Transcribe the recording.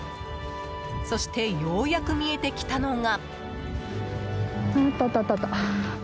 そしてようやく見えてきたのが。